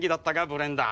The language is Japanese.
ブレンダ。